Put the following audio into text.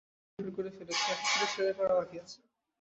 আমি বুলেট বের করে ফেলেছি, এখন শুধু সেলাই করা বাকি আছে।